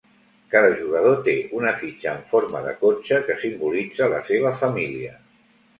Cada jugador té una fitxa en forma de cotxe que simbolitza la seva família.